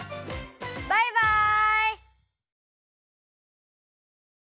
バイバイ！